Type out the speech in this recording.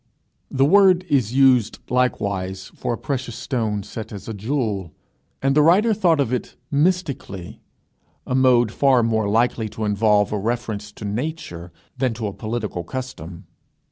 The word is used likewise for a precious stone set as a jewel. And the writer thought of it mystically, a mode far more likely to involve a reference to nature than to a political custom.